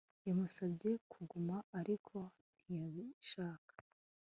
Yamusabye kuguma ariko ntiyabishaka